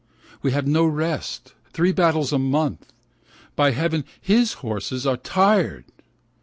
We have no rest, three battles a month. By heaven, his horses are tired.